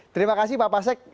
terima kasih pak pasek